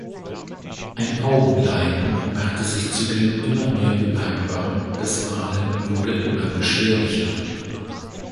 Ein Augenleiden machte sich zudem immer mehr bemerkbar; das Malen wurde immer beschwerlicher.